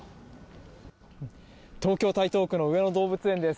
東京・台東区の上野動物園です。